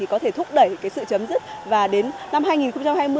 có thể thúc đẩy sự chấm dứt và đến năm hai nghìn hai mươi